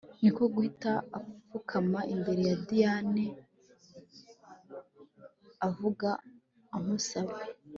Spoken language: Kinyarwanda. Niko guhita afukama imbere ya Diane avuga amusaba